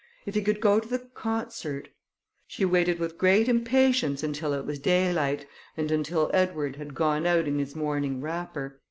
If he could go to the concert! She waited with great impatience until it was daylight, and until Edward had gone out in his morning wrapper.